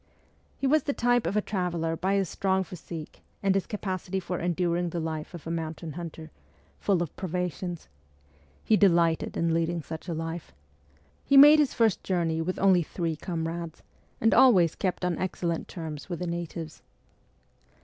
He was the type of a traveller by his strong physique and his capacity for enduring the life of a mountain hunter, full of ST. PETERSBURG 11 privations. He delighted in leading such a life. He made his first journey with only three comrades, and always kept on excellent terms with the natives.